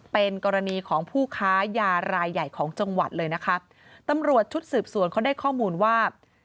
เป็นกรณีของผู้ค้ายารายใหญ่ของจังหวัดเลยนะคะตำรวจชุดสืบสวนเขาได้ข้อมูลว่า